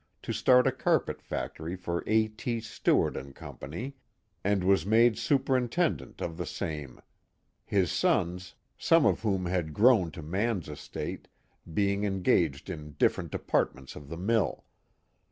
to start a carpet factory for A. T. Stewart & Co., and was made superintendent of the same, his sons, some of whom aa 338 The Mohawk Valley had grown to man's estate, being engaged in different depart* ' menta of the mill.